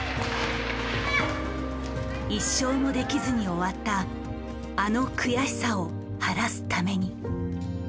一勝もできずに終わったあの悔しさを晴らすために。